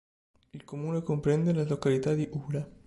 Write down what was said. Il comune comprende la località di Ura.